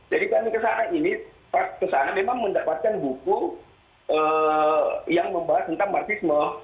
jadi kami ke sana ini kesana memang mendapatkan buku yang membahas tentang marxisme